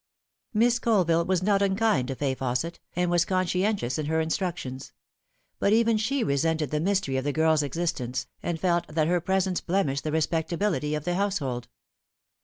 Miss Colville was not unkind to Fay Fausset, and was conscientious in her instructions ; but even she resented the mystery of the girl's eiitence, and felt that her presence blemished the respectability irf the house hold.